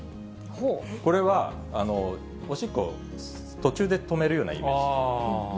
これは、おしっこを途中で止めるようなイメージ。